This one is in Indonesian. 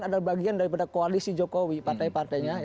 ada bagian dari koalisi jokowi partai partainya